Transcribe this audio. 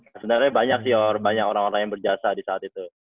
sebenernya banyak sih ya orang orang yang berjasa di saat itu